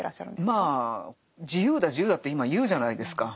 まあ「自由だ自由だ」って今言うじゃないですか。